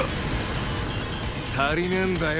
足りねえんだよ